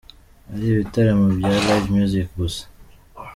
ari ibitaramo bya live music gusa.